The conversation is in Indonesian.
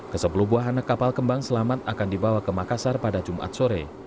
ke sepuluh buah anak kapal kembang selamat akan dibawa ke makassar pada jumat sore